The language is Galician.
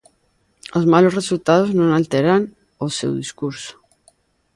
Os malos resultados non alteran o seu discurso.